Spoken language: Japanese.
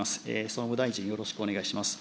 総務大臣、よろしくお願いします。